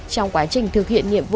trong quá trình thực hiện nhiệm vụ